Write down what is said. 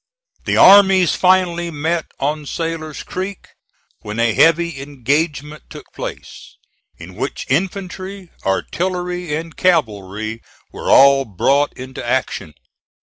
The armies finally met on Sailor's Creek, when a heavy engagement took place, in which infantry, artillery and cavalry were all brought into action.